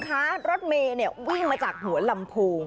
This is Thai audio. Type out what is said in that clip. คุณผู้ชมคะรถเมษายนี่วิ่งมาจากหัวลำโพง